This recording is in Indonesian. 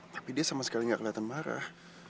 tapi dia sama sekali nggak kelihatan marah